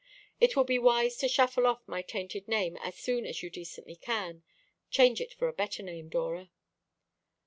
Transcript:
It will be wise to shuffle off my tainted name as soon as you decently can. Change it for a better name, Dora."